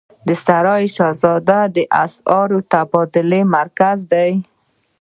د سرای شهزاده د اسعارو تبادلې مرکز دی